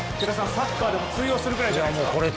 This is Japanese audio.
サッカーでも通用するくらいじゃないですか？